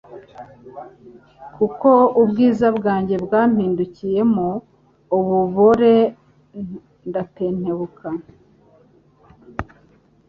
kuko ubwiza bwanjye bwampindukiyemo ububore ndatentebuka."